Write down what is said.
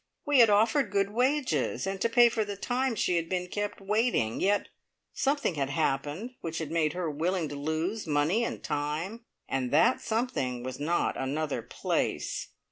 We had offered good wages, and to pay for the time she had been kept waiting; yet something had happened which had made her willing to lose money and time, and that something was not another place!